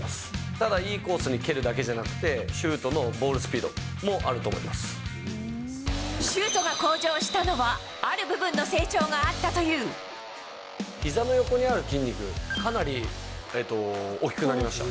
ただ、いいコースに蹴るだけじゃなくて、シュートのボールスピーシュートが向上したのは、ひざの横にある筋肉、かなり大きくなりました。